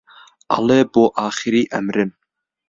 ئەڵێ بۆ ئاخری ئەمرن